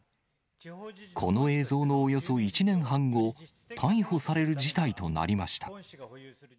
この映像のおよそ１年半後、逮捕される事態となりました。